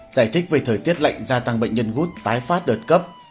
giải thích về thời tiết lạnh gia tăng bệnh nhân gút tái phát đợt cấp